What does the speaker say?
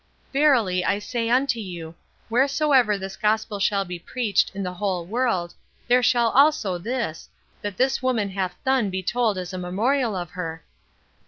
"'Verily I say unto you, Wheresoever this gospel shall be preached in the whole world, there shall also this, that this woman hath done be told as a memorial of her.'"